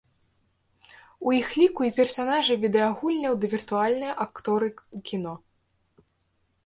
У іх ліку і персанажы відэагульняў ды віртуальныя акторы ў кіно.